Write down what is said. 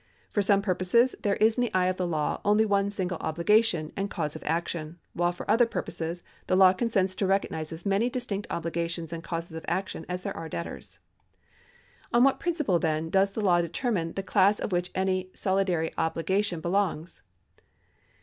For some purposes there is in the eye of the law only one single obligation and cause of action, while for other purposes the law consents to recognise as many distinct obligations and causes of action as there are debtors. On what principle, then, does the law determine the class of which any solidary obligation belongs